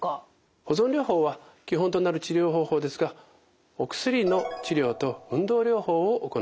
保存療法は基本となる治療方法ですがお薬の治療と運動療法を行います。